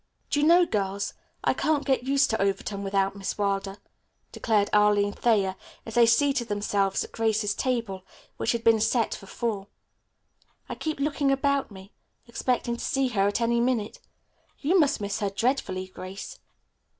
"Do you know, girls, I can't get used to Overton without Miss Wilder," declared Arline Thayer as they seated themselves at Grace's table, which had been set for four. "I keep looking about me, expecting to meet her at any minute. You must miss her dreadfully, Grace."